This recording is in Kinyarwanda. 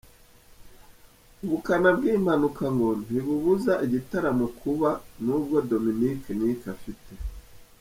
Ubukana bwiyi mpanuka ngo ntibubuza igitaramo kuba nubwo Dominic Nic afite.